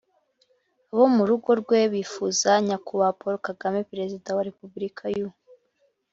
abo mu rugo rwe bifuza, nyakubahwa paul kagame, perezida wa repubulika y’u